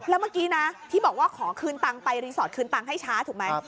แล้วเมื่อกี้นะที่บอกว่าขอคืนตังค์ไปรีสอร์ทคืนตังค์ให้ช้าถูกไหม